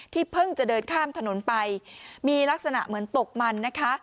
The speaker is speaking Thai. เพิ่งจะเดินข้ามถนนไปมีลักษณะเหมือนตกมันนะคะ